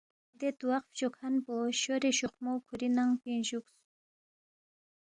دے تواق فچوکھن پو شورے شوخمو کُھوری ننگ پوینگ جُوکس